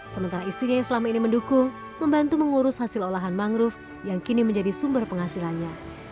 sementara istrinya yang selama ini mendukung membantu mengurus hasil olahan mangrove yang kini menjadi sumber penghasilannya